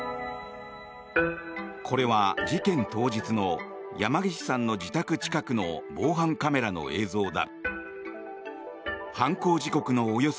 これは事件当日の山岸さんの自宅近くの防犯カメラの映像だ。